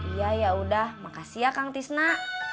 iya ya udah makasih ya kang tisna